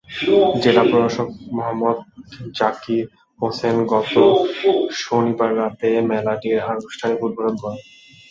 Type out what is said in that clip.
জেলা প্রশাসক মোহম্মদ জাকির হোসেন গত শনিবার রাতে মেলাটির আনুষ্ঠানিক উদ্বোধন করেন।